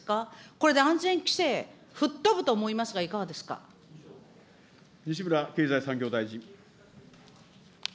これで安全規制、吹っ飛ぶと思い西村経済産業大臣。